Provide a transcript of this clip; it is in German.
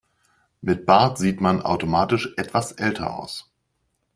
Mit Bart sieht man automatisch etwas älter aus.